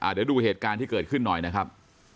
เดี๋ยวดูเหตุการณ์ที่เกิดขึ้นหน่อยนะครับ